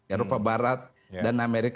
eropa barat dan amerika